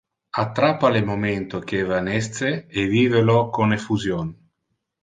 Attrappa le momento que evanesce e vive lo con effusion.